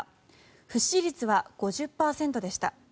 不支持率は５０％でした。